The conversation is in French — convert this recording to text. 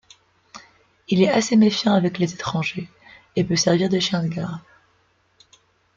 Il est assez méfiant avec les étrangers et peut servir de chien de garde.